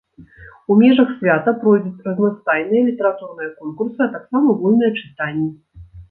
У межах свята пройдуць разнастайныя літаратурныя конкурсы, а таксама вольныя чытанні.